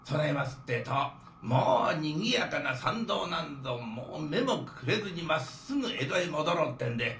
ってえともうにぎやかな参道なんぞもう目もくれずにまっすぐ江戸へ戻ろうってんで。